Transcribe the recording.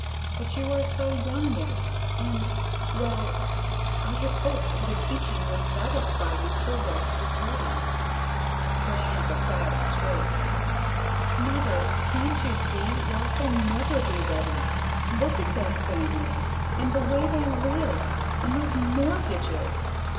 But you are so young yet and well, I had hoped the teaching would satisfy you till Ross was ready." Diantha sat up straight. "Mother! can't you see Ross'll never be ready! Look at that family! And the way they live! And those mortgages!